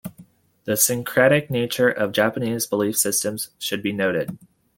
The syncretic nature of Japanese belief systems should be noted.